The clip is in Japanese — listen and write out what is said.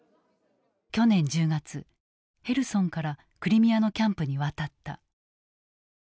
去年１０月ヘルソンからクリミアのキャンプに渡った。